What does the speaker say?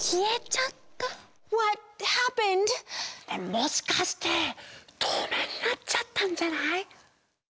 もしかしてとうめいになっちゃったんじゃない？